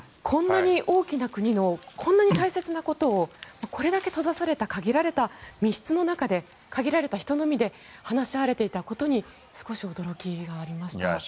こんなに大きな国のこんなに大切なことをこれだけ閉ざされた限られた密室の中で限られた人のみで話し合われていたことに少し驚きがありました。